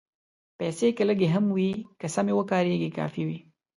پېسې که لږې هم وي، که سمې وکارېږي، کافي وي.